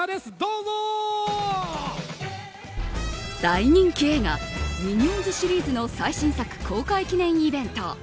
大人気映画「ミニオンズ」シリーズの最新作公開記念イベント。